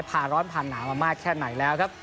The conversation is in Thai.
พาร้อนพาหนามามากแค่ไหนแล้วครับ